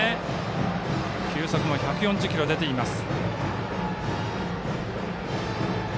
球速も１４０キロ出ています。